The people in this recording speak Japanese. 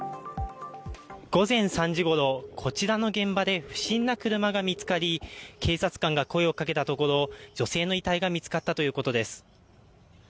午前３時ごろ、こちらの現場で不審な車が見つかり警察官が声をかけたところ、女性の遺体が見つかったということです。